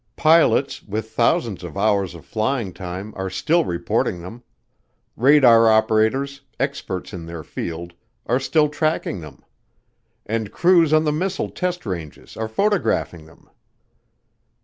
Pilots, with thousands of hours of flying time are still reporting them; radar operators, experts in their field, are still tracking them; and crews on the missile test ranges are photographing them.